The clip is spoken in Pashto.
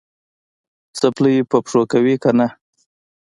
څپلۍ په پښو کوې که نه؟